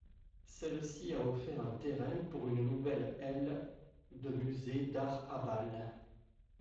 Celle-ci a offert un terrain pour une nouvelle aile de Musée d'art à Bâle.